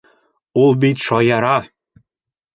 Ул бит шаяра!